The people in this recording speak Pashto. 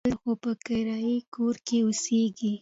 دلته خو په کرایي کور کې اوسیږي.